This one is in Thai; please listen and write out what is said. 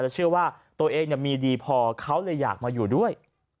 เชื่อว่าตัวเองมีดีพอเขาเลยอยากมาอยู่ด้วย